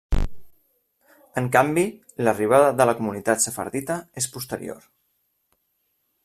En canvi, l'arribada de la comunitat sefardita és posterior.